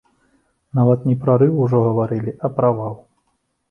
Нават не прарыў ужо гаварылі, а правал!